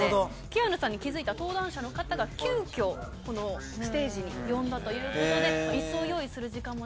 キアヌさんに気付いた登壇者の方が急きょこのステージに呼んだということで。